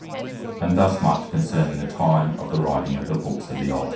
'" And thus much concerning the time of the writing of the Bookes of the Old Testament.